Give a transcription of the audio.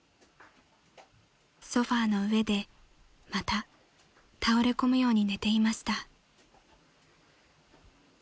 ［ソファの上でまた倒れ込むように寝ていました］